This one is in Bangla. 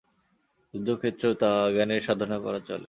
যুদ্ধক্ষেত্রেও জ্ঞানের সাধনা করা চলে।